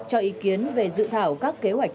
cho ý kiến về dự thảo các kế hoạch